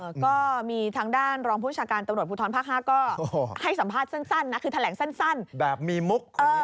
ก็มีทางด้านรองผู้ชาการตำรวจภูทรภาคห้าก็ให้สัมภาษณ์สั้นนะคือแถลงสั้นแบบมีมุก